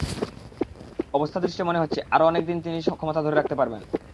অবস্থাদৃষ্টে মনে হচ্ছে, আরও অনেক দিন তিনি ক্ষমতা ধরে রাখতে পারবেন।